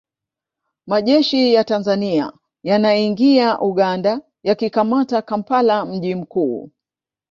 Majeshi ya Tanzania yanaingia Uganda yakikamata Kampala mji mkuu